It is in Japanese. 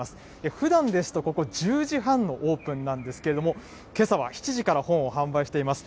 ふだんですと、ここ１０時半のオープンなんですけれども、けさは７時から本を販売しています。